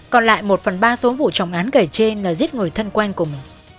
còn lại một phần ba số vụ trọng án kể trên là giết người thân quen cùng